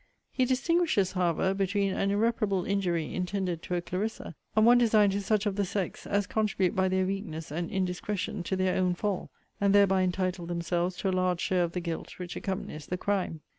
He distinguishes, however, between an irreparable injury intended to a CLARISSA, and one designed to such of the sex, as contribute by their weakness and indiscretion to their own fall, and thereby entitle themselves to a large share of the guilt which accompanies the crime.